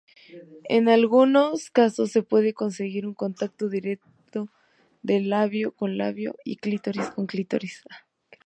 En algunos casos se puede conseguir un contacto directo de labio-con-labio y clítoris-con-clítoris.